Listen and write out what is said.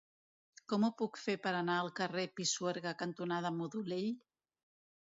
Com ho puc fer per anar al carrer Pisuerga cantonada Modolell?